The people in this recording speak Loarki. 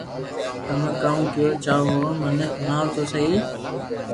تمو ڪاو ڪيوُ چاھو ھون مني ھڻاو تو سھي